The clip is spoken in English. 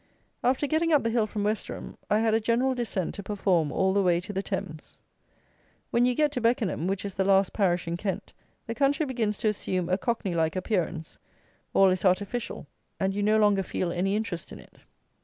After getting up the hill from Westerham, I had a general descent to perform all the way to the Thames. When you get to Beckenham, which is the last parish in Kent, the country begins to assume a cockney like appearance; all is artificial, and you no longer feel any interest in it.